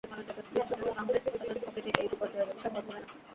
তাঁর প্রবল আগ্রহ দেখে বিশেষ বিবেচনায় তাঁকে ফরম পূরণের সুযোগ দেওয়া হয়েছিল।